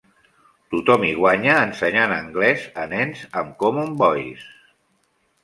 Tothom hi guanya ensenyant anglès a nens amb Common Voice.